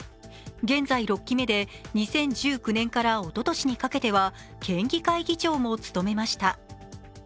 現在６期目で２０１９年からおととしにかけては県議会議長も務めました。